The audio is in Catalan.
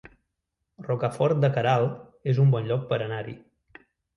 Rocafort de Queralt es un bon lloc per anar-hi